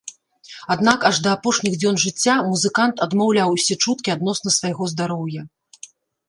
Аднак аж да апошніх дзён жыцця музыкант адмаўляў усе чуткі адносна свайго здароўя.